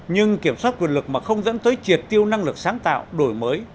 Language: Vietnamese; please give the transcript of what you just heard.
nhưng kiểm soát quyền lực mà không dẫn tới triệt tiêu năng lực sáng tạo đổi mới